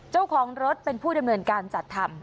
เจ้าของรถเป็นผู้ดำเนินการจัดทำ